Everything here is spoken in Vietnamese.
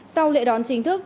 sau lễ đón chính thức